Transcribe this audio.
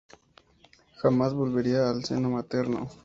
Jamás volvería al seno materno.